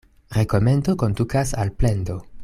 Rekomendo kondukas al plendo.